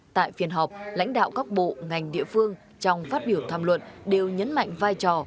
tại phiên họp lãnh đạo các bộ ngành địa phương trong phát biểu tham luận đều nhấn mạnh vai trò